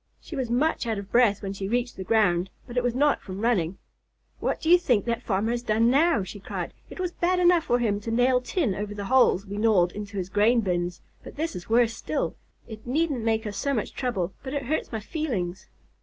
She was much out of breath when she reached the ground, but it was not from running. "What do you think that farmer has done now?" she cried. "It was bad enough for him to nail tin over the holes we gnawed into his grain bins, but this is worse still. It needn't make us so much trouble, but it hurts my feelings."